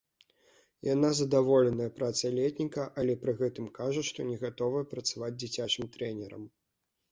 Яна задаволеная працай летніка, але пры гэтым кажа, што не гатовая працаваць дзіцячым трэнерам.